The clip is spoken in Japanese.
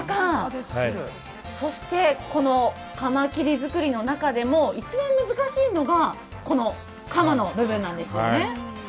そして、このかまきり作りの中でも一番難しいのがこの鎌の部分なんですよね。